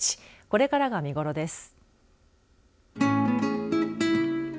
これからが見頃です。